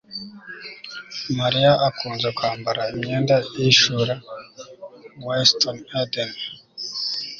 Mariya akunze kwambara imyenda ihishura WestofEden